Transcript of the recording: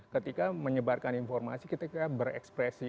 ketika menyebarkan informasi kita kayak berekspresi